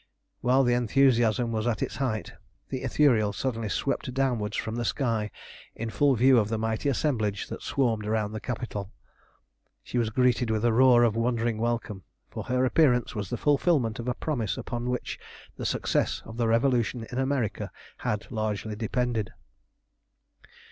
While the enthusiasm was at its height the Ithuriel suddenly swept downwards from the sky in full view of the mighty assemblage that swarmed round the Capitol. She was greeted with a roar of wondering welcome, for her appearance was the fulfilment of a promise upon which the success of the Revolution in America had largely depended.